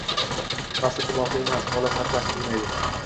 Maqsadga muvofiq emas – bola sarflashni bilmaydi